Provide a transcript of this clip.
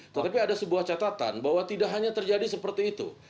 tetapi ada sebuah catatan bahwa tidak hanya terjadi seperti itu